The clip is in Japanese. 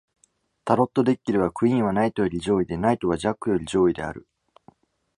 タロットデッキでは、クイーンはナイトより上位で、ナイトはジャックより上位である。